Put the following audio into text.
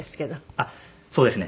あっそうですね。